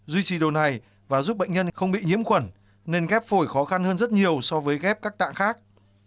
duy trì đồ này và giúp bệnh nhân không bị nhiễm khuẩn nên ghép phổi khó khăn hơn rất nhiều so với ghép các tạng khác